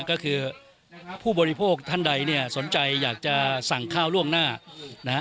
ก็คือผู้บริโภคท่านใดเนี่ยสนใจอยากจะสั่งข้าวล่วงหน้านะฮะ